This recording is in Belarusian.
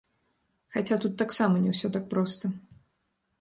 Хаця тут таксама не ўсё так проста.